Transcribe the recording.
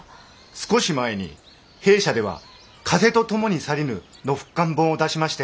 少し前に弊社では「風と共に去りぬ」の復刊本を出しまして。